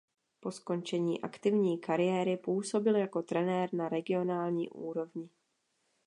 Po skončení aktivní kariéry působil jako trenér na regionální úrovni.